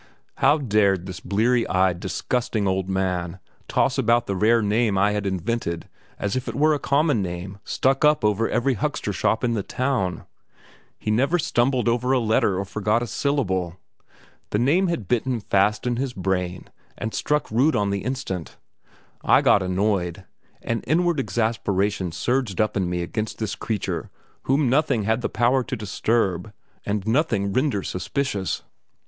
How dared this bleary eyed, disgusting old man toss about the rare name I had invented as if it were a common name stuck up over every huckster shop in the town? He never stumbled over a letter or forgot a syllable. The name had bitten fast in his brain and struck root on the instant. I got annoyed; an inward exasperation surged up in me against this creature whom nothing had the power to disturb and nothing render suspicious.